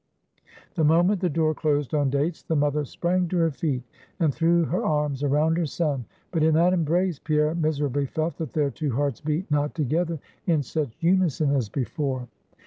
The moment the door closed on Dates, the mother sprang to her feet, and threw her arms around her son; but in that embrace, Pierre miserably felt that their two hearts beat not together in such unison as before.